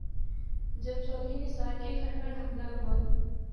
جب چوہدری نثار کے گھر پر حملہ ہوا۔